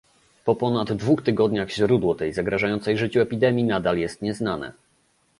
Po ponad dwóch tygodniach źródło tej zagrażającej życiu epidemii nadal jest nieznane